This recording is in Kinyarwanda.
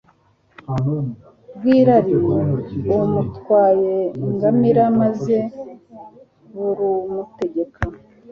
bwirari bumutwaye ingamira maze buramutegeka